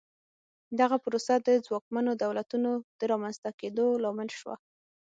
دغه پروسه د ځواکمنو دولتونو د رامنځته کېدو لامل شوه.